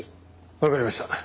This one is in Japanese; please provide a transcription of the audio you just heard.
わかりました。